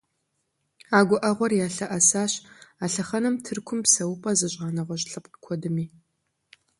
А гуӀэгъуэр ялъэӀэсащ а лъэхъэнэм Тыркур псэупӀэ зыщӀа нэгъуэщӀ лъэпкъ куэдми.